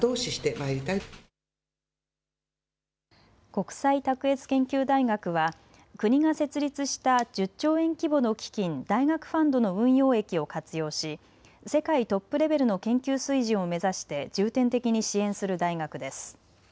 国際卓越研究大学は国が設立した１０兆円規模の基金、大学ファンドの運用益を活用し世界トップレベルの研究水準を目指して重点的に支援する大学です。